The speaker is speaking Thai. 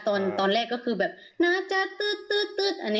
ตอนแรกก็คือนะจ้ะตื๊ด